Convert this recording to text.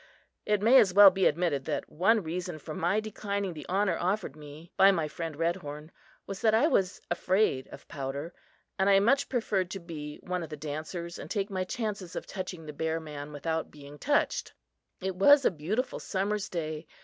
It may as well be admitted that one reason for my declining the honor offered me by my friend Redhorn was that I was afraid of powder, and I much preferred to be one of the dancers and take my chances of touching the bear man without being touched. It was a beautiful summer's day.